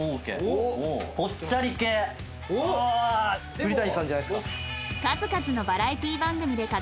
栗谷さんじゃないですか。